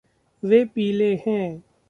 वे पीले हैं।